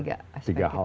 jadi tiga aspek itu